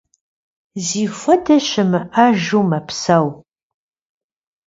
Зихуэдэ щымыӏэжу мэпсэу.